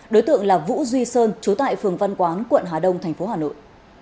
đối tượng là vũ duy sơn trú tại phường văn quán quận hà đông thành phố hà nội